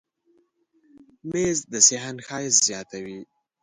مېز د صحن ښایست زیاتوي.